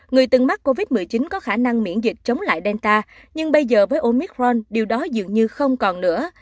người từng mắc covid một mươi chín có khả năng miễn dịch chống lại delta nhưng bây giờ với omicron điều đó dường như không còn nữa